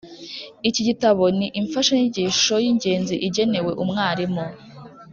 Iki gitabo ni imfasha nyigisho y’ingenzi igenewe umwarimu.